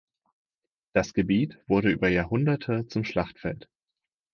Das Gebiet wurde über Jahrhunderte zum Schlachtfeld.